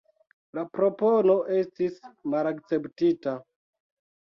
La propono estis malakceptita.